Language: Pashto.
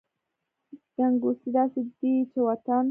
ګنګوسې داسې دي چې وطن …